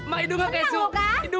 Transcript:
mak hidungnya kayak sukun